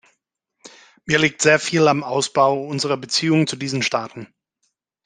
Mir liegt sehr viel am Ausbau unserer Beziehungen zu diesen Staaten.